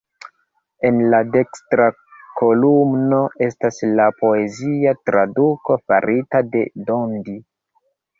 En la dekstra kolumno estas la poezia traduko farita de Dondi.